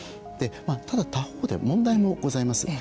ただ他方で問題もございます。